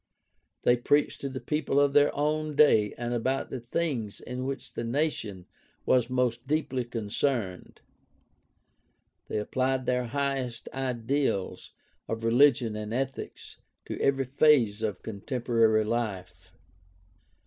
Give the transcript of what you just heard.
They preached to the people of their own day and about the things in which the nation was most deeply concerned. They applied their highest ideals of religion and ethics to every phase of contemporary life.